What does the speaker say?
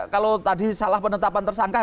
kalau tadi salah penetapan tersangka